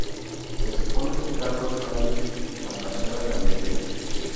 Se supone que cada ocho años la fachada cambiará.